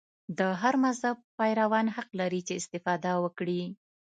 د هر مذهب پیروان حق لري چې استفاده وکړي.